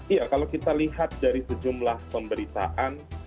iya kalau kita lihat dari sejumlah pemberitaan